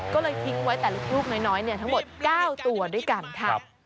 ก็เลยทิ้งไว้แต่ลูกน้อยทั้งหมด๙ตัวด้วยกันค่ะ